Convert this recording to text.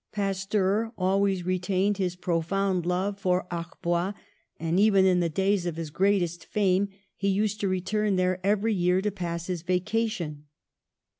Pasteur always retained his profound love for Arbois, and even in the days of his great est fame he used to return there every year to pass his vacation.